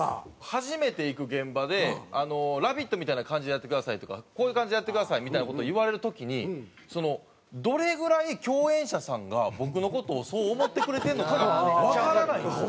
初めて行く現場で「『ラヴィット！』みたいな感じでやってください」とか「こういう感じでやってください」みたいな事言われる時にどれぐらい共演者さんが僕の事をそう思ってくれてるのかがわからないんですよ。